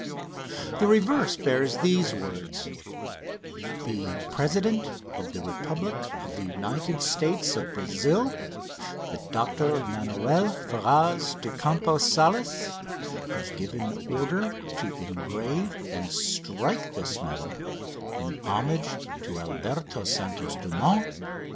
"[B] The reverse bears these words: "Being President of the Republic of the United States of Brazil, the Doctor Manoel Ferraz de Campos Salles has given order to engrave and strike this medal in homage to Alberto Santos Dumont.